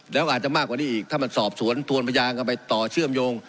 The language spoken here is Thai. แล้วก็อาจจะมากกว่านี้อีกถ้ามันสอบสวนทวนพยานกันไปต่อเชื่อมโยง